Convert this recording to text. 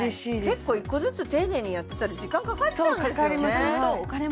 結構１個ずつ丁寧にやってたら時間かかっちゃうんですよね